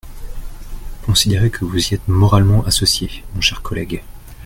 Considérez que vous y êtes moralement associé, mon cher collègue.